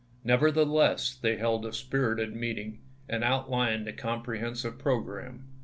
Nevertheless, they held a spirited meeting, and outlined a comprehensive progi'amme.